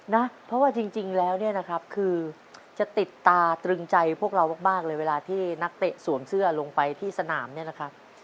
นะเพราะว่าจริงแล้วเนี่ยนะครับคือจะติดตาตรึงใจพวกเรามากเลยเวลาที่นักเตะสวมเสื้อลงไปที่สนามเนี่ยนะครับ